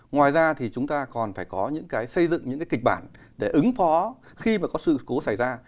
ngoài ra thì chúng ta còn phải có những cái xây dựng những cái kịch bản để ứng phó khi mà có sự cố xảy ra